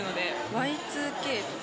Ｙ２Ｋとか。